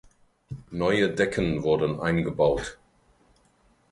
Neue Decken wurden eingebaut.